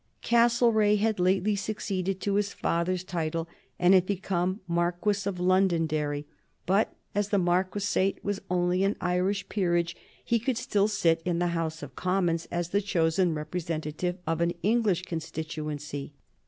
Castlereagh had lately succeeded to his father's title, and had become Marquis of Londonderry; but as the marquisate was only an Irish peerage, he could still sit in the House of Commons as the chosen representative of an English constituency.